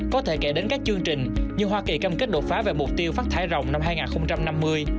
có thể kể đến các chương trình như hoa kỳ cam kết đột phá về mục tiêu phát thải rộng năm hai nghìn năm mươi